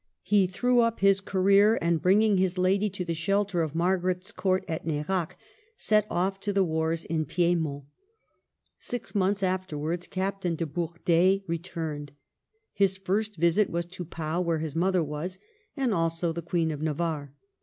He threw up his career, and bringing his lady to the shelter of Margaret's Court at Nerac, set off to the wars in Piedmont. Six months after wards Captain de Bourdeille returned. His first visit was to Pau, where his mother was, and also the Queen of Navarre.